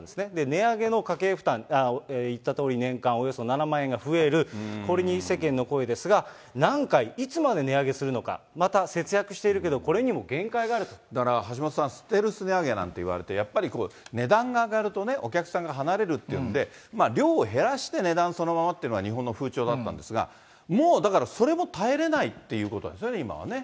値上げの家計負担、言ったとおり年間およそ７万円が増える、これに世間の声ですが、何回、いつまで値上げするのか、また節約しているけど、これにもだから橋下さん、ステルス値上げなんていわれて、やっぱり値段が上がるとね、お客さんが離れるっていうんで、量を減らして値段そのままっていうのが日本の風潮だったんですが、もうだから、それも耐えれないということですよね、今はね。